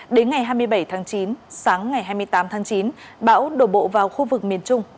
đến ngày hai mươi bảy tháng chín sáng ngày hai mươi tám tháng chín bão đổ bộ vào khu vực miền trung